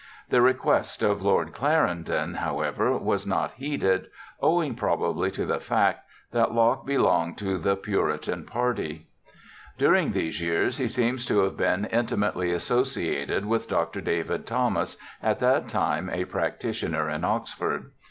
The request of Lord Clarendon, however, was not heeded, owing probably to the fact that Locke belonged to the Puritan party. JOHN LOCKE 71 During these years he seems to have been intimately associated with Dr. David Thomas, at that time a prac titioner at Oxford.